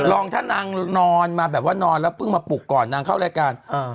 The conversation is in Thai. ลองถ้านางนอนมาแบบว่านอนแล้วเพิ่งมาปลุกก่อนนางเข้ารายการ